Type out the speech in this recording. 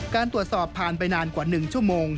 การตรวจสอบผ่านไปนานกว่า๑ชั่วโมง